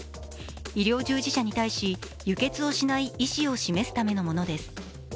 医療従事者に対し、輸血をしない意思を示すためのものです。